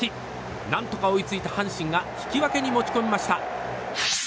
何とか追いついた阪神が引き分けに持ち越しました。